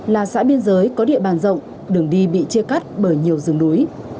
là xã biên giới có địa bàn rộng đường đi bị chia cắt bởi nhiều rừng núi